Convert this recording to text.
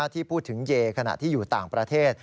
ที่พูดถึงเยขณะที่อยู่ต่างประเทศ